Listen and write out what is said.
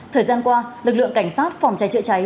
thời gian qua lực lượng cảnh sát phòng cháy chữa cháy